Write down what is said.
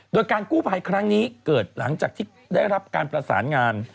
โดยการกู้ภัยครั้งนี้เกิดหลังจากที่ได้รับการประสานงาน